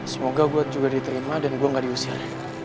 semoga gue juga diterima dan gue gak diusir